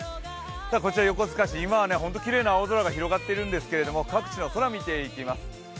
こちら横須賀市、今は本当にきれいな青空が広がっているんですけど、各地の空を見ていきます。